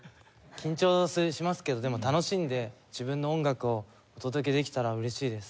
緊張しますけどでも楽しんで自分の音楽をお届けできたら嬉しいです。